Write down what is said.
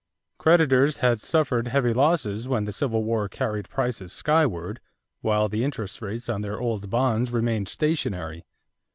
Creditors had suffered heavy losses when the Civil War carried prices skyward while the interest rates on their old bonds remained stationary.